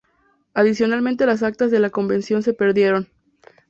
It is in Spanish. Adicionalmente las actas de la Convención se perdieron.